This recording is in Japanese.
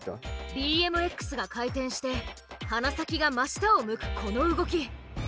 ＢＭＸが回転して鼻先が真下を向くこの動き。